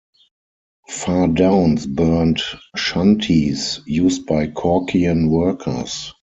Fardowns burned shanties used by Corkian workers.